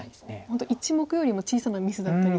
本当１目よりも小さなミスだったり。